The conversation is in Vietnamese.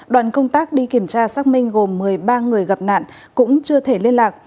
đoàn công tác đi kiểm tra xác minh gồm một mươi ba người gặp nạn cũng chưa thể liên lạc